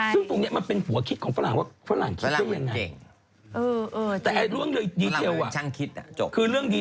ซึ่งตรงนี้มันเป็นหัวคิดของฝรั่งว่าฝรั่งคิดได้ยังไง